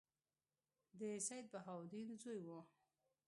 د سیدبهاءالدین زوی وو.